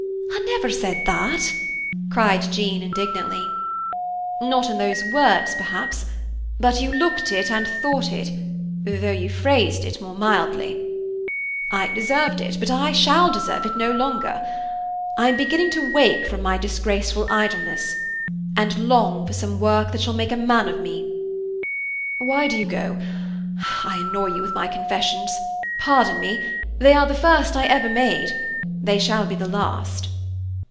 "I never said that!" cried Jean indignantly. "Not in those words, perhaps; but you looked it and thought it, though you phrased it more mildly. I deserved it, but I shall deserve it no longer. I am beginning to wake from my disgraceful idleness, and long for some work that shall make a man of me. Why do you go? I annoy you with my confessions. Pardon me. They are the first I ever made; they shall be the last."